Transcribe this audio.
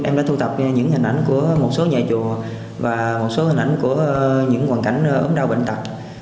em đã thu thập những hình ảnh của một số nhà chùa và một số hình ảnh của những hoàn cảnh ốm đau bệnh tật